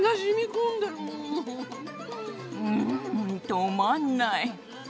うん止まんない。